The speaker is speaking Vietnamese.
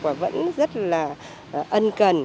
và vẫn rất là ân cần